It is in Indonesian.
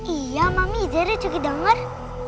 iya mami jadi cukup dengar